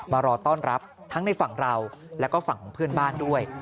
รอต้อนรับทั้งในฝั่งเราแล้วก็ฝั่งของเพื่อนบ้านด้วย